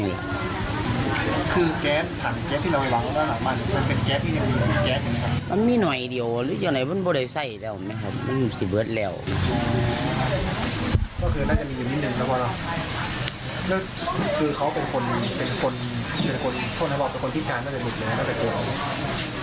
เป็นคนคนระบอบเป็นคนพิจารณ์ไม่ได้หมดเลยนะต้องเป็นตัวของ